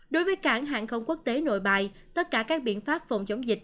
đối với cảng hàng không quốc tế nội bài tất cả các biện pháp phòng chống dịch